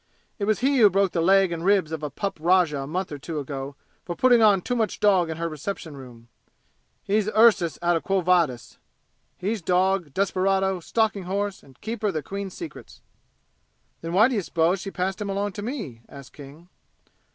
It was he who broke the leg and ribs of a pup rajah a month or two ago for putting on too much dog in her reception room! He's Ursus out of Quo Vadis! He's dog, desperado, stalking horse and Keeper of the Queen's secrets!" "Then why d'you suppose she passed him along to me?" asked King.